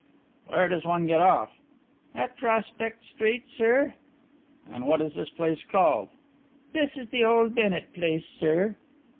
"Where does one get off?" "At Prospect Street, sir." "And what is this place called?" "This is the old Bennett place, sir."